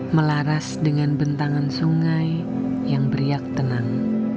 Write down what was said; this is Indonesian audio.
melaras dengan bentangan sungai yang beriak tenang